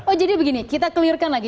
oh jadi begini kita clearkan lagi